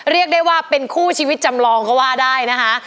เรียกได้ว่าเป็นคู่ชีวิตจำลองก็ว่าได้นะคะ